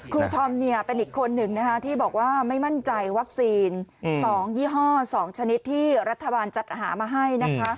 ธอมเป็นอีกคนหนึ่งที่บอกว่าไม่มั่นใจวัคซีน๒ยี่ห้อ๒ชนิดที่รัฐบาลจัดหามาให้นะคะ